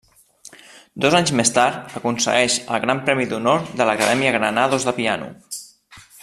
Dos anys més tard aconsegueix el Gran Premi d'Honor de l'Acadèmia Granados de piano.